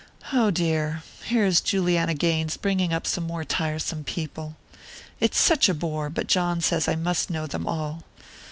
Oh, dear, here is Juliana Gaines bringing up some more tiresome people! It's such a bore, but John says I must know them all.